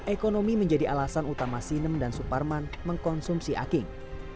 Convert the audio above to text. ekonomi menjadi alasan utama sinem dan suparman mengkonsumsi aking